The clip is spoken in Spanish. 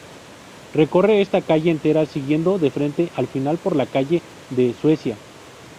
Recorre esta calle entera siguiendo de frente al final por la calle de Suecia.